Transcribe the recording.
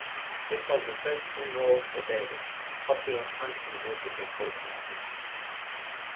This was the first film role for Davis, a popular country music recording artist.